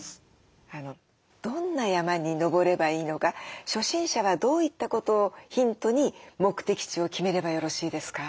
どんな山に登ればいいのか初心者はどういったことをヒントに目的地を決めればよろしいですか？